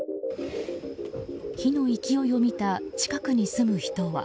火の勢いを見た近くに住む人は。